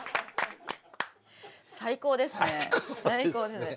最高ですね。